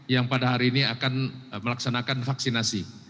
yang pada hari ini akan melaksanakan vaksinasi